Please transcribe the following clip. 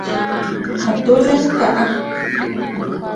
A tuʼulə ŋkhə.